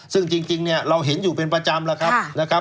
ซึ่งจริงเราเห็นอยู่เป็นประจำ